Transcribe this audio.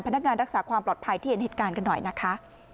นักงานรักษาความปลอดภัยที่เห็นเหตุการณ์กันหน่อยนะคะ